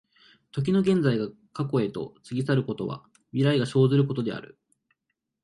時の現在が過去へと過ぎ去ることは、未来が生ずることである。